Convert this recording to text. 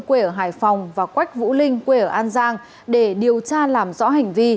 quê ở hải phòng và quách vũ linh quê ở an giang để điều tra làm rõ hành vi